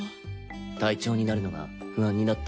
隊長になるのが不安になった？